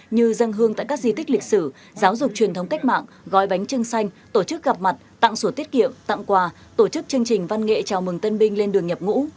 như dân hương tại các di tích lịch sử giáo dục truyền thống cách mạng gói bánh trưng xanh tổ chức gặp mặt tặng sổ tiết kiệm tặng quà tổ chức chương trình văn nghệ chào mừng tân binh lên đường nhập ngũ